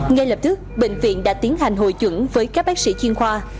ngay lập tức bệnh viện đã tiến hành hội chuẩn với các bác sĩ chuyên khoa